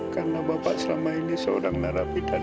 karena bapak selama ini seorang narapidana